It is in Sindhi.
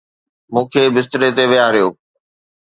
مون کي بستري تي ويهاريو